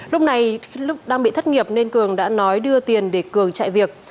lúc này lúc đang bị thất nghiệp nên cường đã nói đưa tiền để cường chạy việc